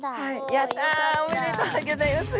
やったおめでとうギョざいます！